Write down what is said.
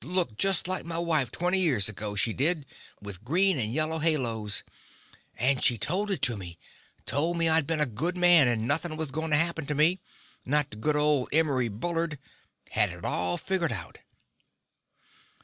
Looked just like my wife twenty years ago, she did, with green and yellow halos. And she told it to me. Told me I'd been a good man, and nothing was going to happen to me. Not to good old Emery Bullard. Had it all figgered out."